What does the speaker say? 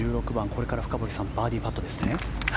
これから深堀さんバーディーパットですね。